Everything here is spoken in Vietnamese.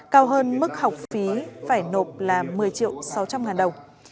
cao hơn mức học phí phải nộp là một mươi triệu sáu trăm linh ngàn đồng